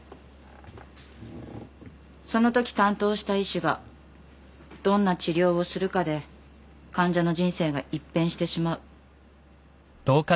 そのとき担当した医師がどんな治療をするかで患者の人生が一変してしまう。